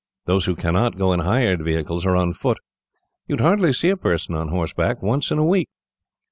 Those who cannot, go in hired vehicles, or on foot. You would hardly see a person on horseback once in a week."